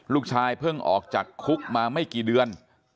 ลูกชายเพิ่งออกจากคุกมาไม่กี่เดือน